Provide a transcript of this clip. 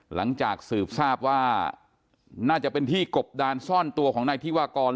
หลังจากสืบทราบว่าน่าจะเป็นที่กบดานซ่อนตัวของนายธิวากร